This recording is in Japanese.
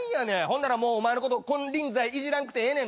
ほんならもうお前のこと金輪際いじらんくてええねんな？